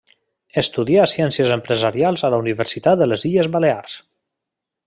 Estudià ciències empresarials a la Universitat de les Illes Balears.